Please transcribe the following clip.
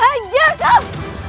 tapi jangan membutuhkan